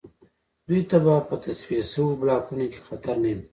دوی ته به په تصفیه شویو بلاکونو کې خطر نه وي